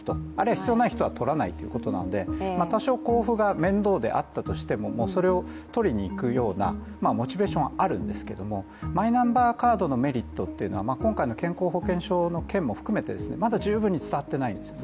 必要ない人は取らないということなので、多少交付が面倒であったとしても、それを取りに行くようなモチベーションはあるんですけどマイナンバーカードのメリットというのは今回の健康保険証の件も含めて、まだ十分伝わってないんです